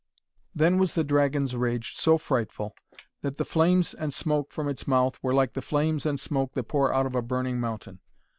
Then was the dragon's rage so frightful, that the flames and smoke from its mouth were like the flames and smoke that pour out of a burning mountain.